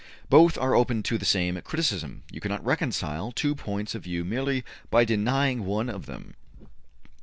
Both are open to the same criticism; you cannot reconcile two points of view merely by denying one of them.''